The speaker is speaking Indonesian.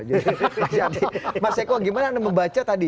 mas eko gimana anda membaca tadi